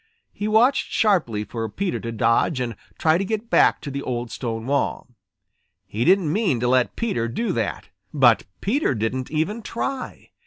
He watched sharply for Peter to dodge and try to get back to the old stone wall. He didn't mean to let Peter do that. But Peter didn't even try.